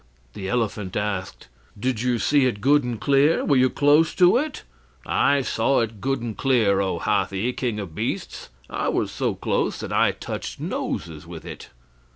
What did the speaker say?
The elephant asked: "Did you see it good and clear? Were you close to it?" "I saw it good and clear, O Hathi, King of Beasts. I was so close that I touched noses with it."